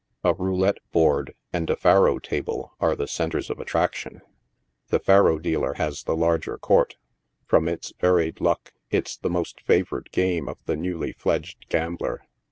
A " roulette" board and a " faro" table are the centres of attrac tion. The " faro" dealer has the larger court 5 from its varied luck, it's the most favored game of the newly fledged gambler.